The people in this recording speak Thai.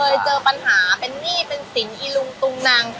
เจอปัญหาเป็นหนี้เป็นสินอีลุงตุงนัง